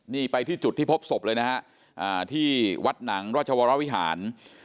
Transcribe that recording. นี่ไปที่จุดที่พบศพเลยนะฮะที่วัดหนังราชวรวิหาร